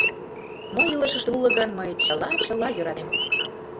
— Мо илышыште уло гын, мый чыла-чыла йӧратем.